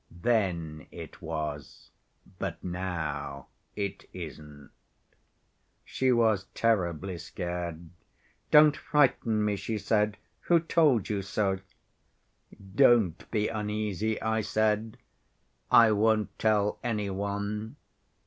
" 'Then it was, but now it isn't.' "She was terribly scared. " 'Don't frighten me!' she said. 'Who told you so?' " 'Don't be uneasy,' I said, 'I won't tell any one.